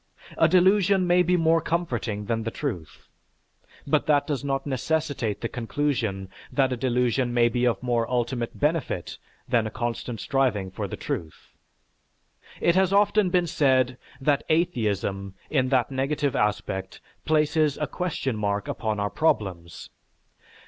A delusion may be more comforting than the truth, but that does not necessitate the conclusion that a delusion may be of more ultimate benefit than a constant striving for the truth. It has often been said that atheism, in that negative aspect, places a question mark upon our problems.